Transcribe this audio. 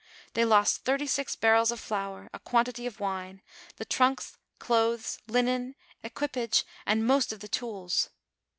They lost thirty six bar rels of flour, a quantity of wine, the trunks, clothes, linen, equipage, and most of the tools.